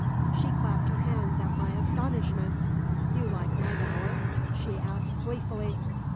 She clapped her hands at my astonishment. "You like my bower?" she asked gleefully.